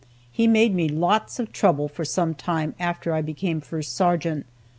He made me lots of trouble, for some time, after I became first sergeant.